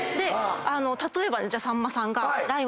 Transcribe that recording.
例えばさんまさんが。